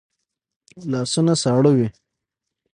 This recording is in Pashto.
لاسونه سړې وي